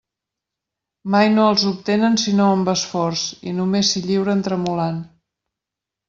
Mai no els obtenen sinó amb esforç i només s'hi lliuren tremolant.